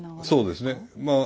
そうですね。